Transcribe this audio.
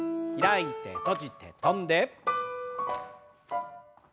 開いて閉じて跳んで。